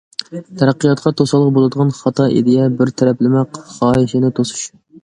تەرەققىياتقا توسالغۇ بولىدىغان خاتا ئىدىيە، بىر تەرەپلىمە خاھىشنى توسۇش.